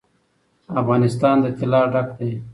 افغانستان له طلا ډک دی.